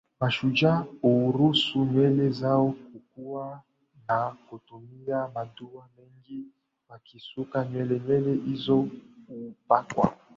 mashujaa huruhusu nywele zao kukua na hutumia muda mwingi wakisuka nywele Nywele hizo hupakwa